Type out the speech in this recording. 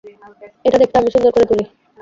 এটা দেখতে আমি সুন্দর করে তুলি।